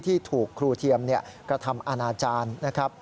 ที่ถูกครูเทียมกระทำอาณาจารย์นะครับ